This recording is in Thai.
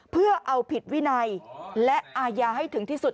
เพื่อเอาผิดวินัยและอาญาให้ถึงที่สุด